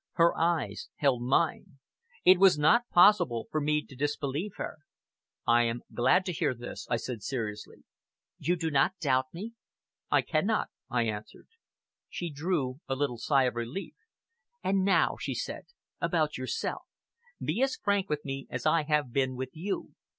Her eyes held mine. It was not possible for me to disbelieve her. "I am glad to hear this," I said seriously. "You do not doubt me?" "I cannot," I answered. She drew a little sigh of relief. "And now," she said, "about yourself. Be as frank with me as I have been with you.